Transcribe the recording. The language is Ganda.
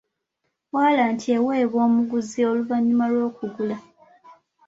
Walanti eweebwa omuguzi oluvannyuma lw'okugula .